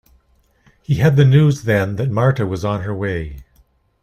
He had the news then that Marthe was on her way.